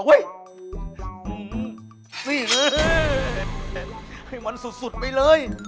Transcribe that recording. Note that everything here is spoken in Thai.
ให้มันสุดไปเลย